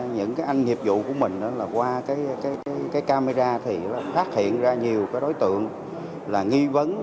những anh hiệp vụ của mình qua camera thì phát hiện ra nhiều đối tượng là nghi vấn